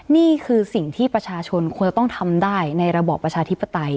นี่คือสิ่งที่ประชาชนควรจะต้องทำได้ในระบอบประชาธิปไตย